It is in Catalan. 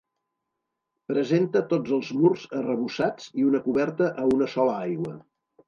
Presenta tots els murs arrebossats i una coberta a una sola aigua.